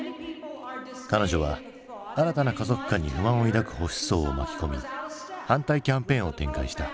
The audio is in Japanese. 彼女は新たな家族観に不満を抱く保守層を巻き込み反対キャンペーンを展開した。